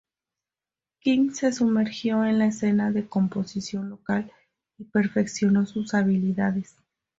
King se sumergió en la escena de composición local y perfeccionó sus habilidades.